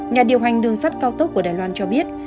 nhà điều hành đường sắt cao tốc của đài loan cho biết